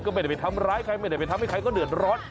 ก็ไม่ได้ไปทำร้ายใครไม่ได้ไปทำให้ใครก็เดือดร้อน